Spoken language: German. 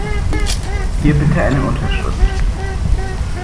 Hier bitte eine Unterschrift.